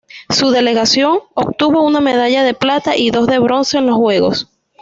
Su delegación obtuvo una medalla de plata y dos de bronce en los juegos.